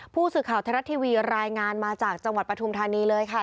ผู้สื่อข่าวไทยรัฐทีวีรายงานมาจากจังหวัดปฐุมธานีเลยค่ะ